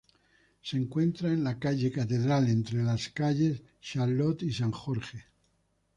Se encuentra enn la calle Catedral entre las calles Charlotte y San Jorge.